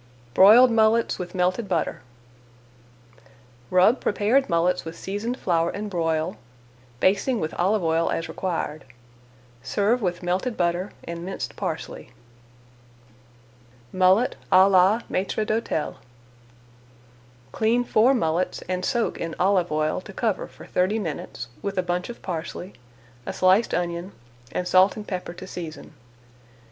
BROILED MULLETS WITH MELTED BUTTER Rub prepared mullets with seasoned flour and broil, basting with olive oil as required. Serve with melted butter and minced parsley. MULLET À LA MAÎTRE D'HÔTEL Clean four mullets and soak in olive oil to cover for thirty minutes, with a bunch of parsley, a sliced onion, and salt and pepper to season.